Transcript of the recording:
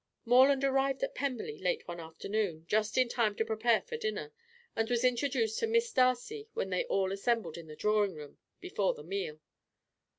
Morland arrived at Pemberley late one afternoon, just in time to prepare for dinner, and was introduced to Miss Darcy when they all assembled in the drawing room before the meal.